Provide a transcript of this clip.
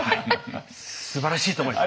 すばらしいと思います！